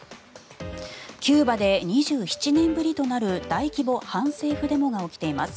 キューバで２７年ぶりとなる大規模反政府デモが起きています。